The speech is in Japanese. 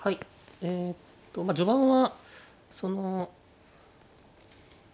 えっとまあ序盤はそのま